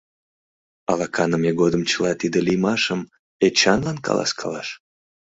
Ала каныме годым чыла тиде лиймашым Эчанлан каласкалаш?